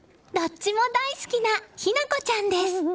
どっちも大好きな妃那子ちゃんです。